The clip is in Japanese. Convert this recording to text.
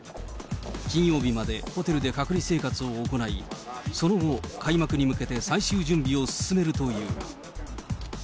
金曜日までホテルで隔離生活を行い、その後、開幕に向けて最終準備を進めるという。